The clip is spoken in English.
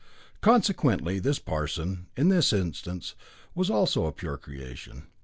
Consequently his parson, in this instance, was also a pure creation.